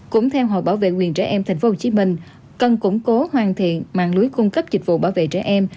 cũng theo hội bảo vệ quyền trẻ em tp hcm cần củng cố hoàn thiện mạng lưới cung cấp dịch vụ bảo vệ trẻ em